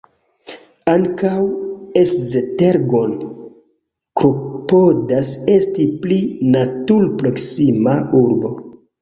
Ankaŭ Esztergom klopodas esti pli natur-proksima urbo.